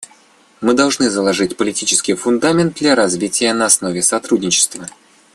Мы должны заложить политический фундамент для развития на основе сотрудничества.